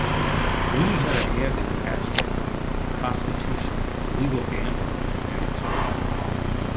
Looney had a hand in match fixing, prostitution, illegal gambling, and extortion.